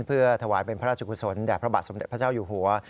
เพื่อถวายเป็นพระราชกุศลแด่พระบาทสมเด็จพระเจ้าอยู่หัว